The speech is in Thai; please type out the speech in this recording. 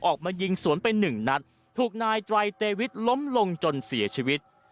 ออกมายิงสวนไปหนึ่งนัดถูกนายไตรเตวิทล้มลงจนเสียชีวิต